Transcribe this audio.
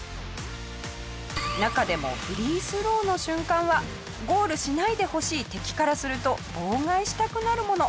中でもフリースローの瞬間はゴールしないでほしい敵からすると妨害したくなるもの。